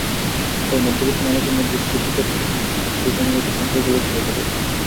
তাই মধ্যবিত্ত মানুষের মধ্যে সিটি করপোরেশনের এই সাশ্রয়ী কমিউনিটি সেন্টারগুলোর চাহিদা রয়েছে।